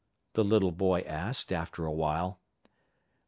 the little boy asked, after a while.